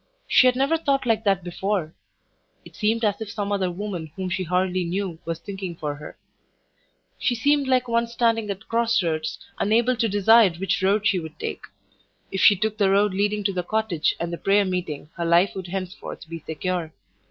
She had never thought like that before; it seemed as if some other woman whom she hardly knew was thinking for her. She seemed like one standing at cross roads, unable to decide which road she would take. If she took the road leading to the cottage and the prayer meeting her life would henceforth be secure.